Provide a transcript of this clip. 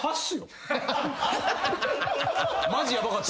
マジヤバかった。